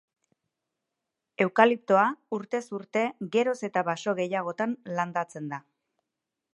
Eukaliptoa urtez urte geroz eta baso gehiagotan landatzen da.